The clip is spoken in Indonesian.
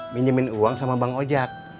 minjemin uang sama bang ojak